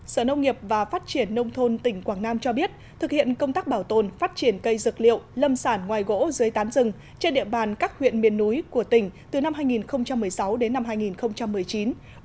sở nông nghiệp và phát triển nông thôn tỉnh quảng nam cho biết thực hiện công tác bảo tồn phát triển cây dược liệu lâm sản ngoài gỗ dưới tán rừng trên địa bàn các huyện miền núi của tỉnh từ năm hai nghìn một mươi sáu đến năm hai nghìn một mươi chín